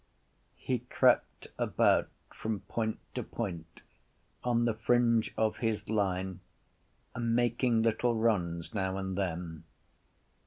He crept about from point to point on the fringe of his line, making little runs now and then.